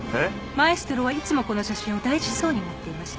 マエストロはいつもこの写真を大事そうに持っていました。